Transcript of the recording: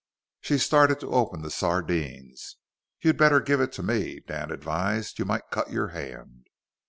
She started to open the sardines. "You'd better give it to me," Dan advised. "You might cut your hand."